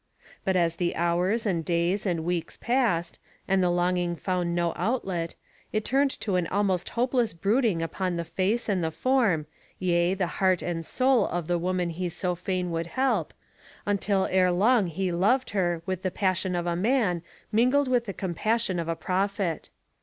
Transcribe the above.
But as the hours and days and weeks passed, and the longing found no outlet, it turned to an almost hopeless brooding upon the face and the form, yea the heart and soul of the woman he so fain would help, until ere long he loved her with the passion of a man mingled with the compassion of a prophet.